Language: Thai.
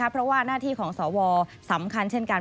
เพราะว่าหน้าที่ของสวสำคัญเช่นกัน